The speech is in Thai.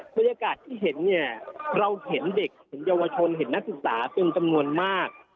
บรรยากาศที่เห็นเนี่ยเราเห็นเด็กเห็นเยาวชนเห็นนักศึกษาเป็นจำนวนมาก